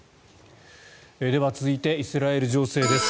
では続いてイスラエル情勢です。